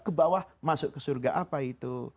ke bawah masuk ke surga apa itu